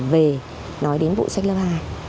về nói đến bộ sách lớp hai